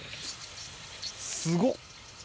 すごっ。